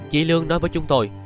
chị lương nói với chúng tôi